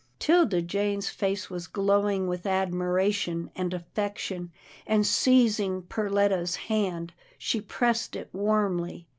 'Tilda Jane's face was glowing with admiration and affection, and seizing Perletta's hand, she pressed it warmly.